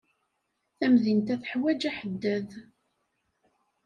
Tamdint-a teḥwaj aḥeddad.